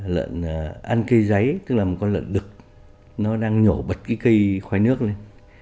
lợn ăn cây giấy tức là một con lợn đực đang nhổ bật cây khoai nước lên